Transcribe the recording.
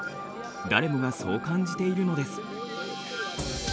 誰もがそう感じているのです。